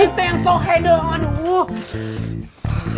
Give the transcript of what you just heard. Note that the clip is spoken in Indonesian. itu yang sohe dong aduh